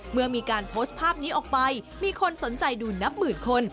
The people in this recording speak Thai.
เมื่อมีการโพสต์ภาพนี้ออกไปมีคนสนใจดูนับหมื่นคน